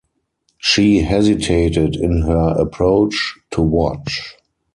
She hesitated in her approach, to watch.